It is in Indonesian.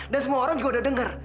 dan semua orang juga udah denger